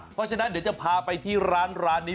เพราะฉะนั้นเดี๋ยวจะพาไปที่ร้านนี้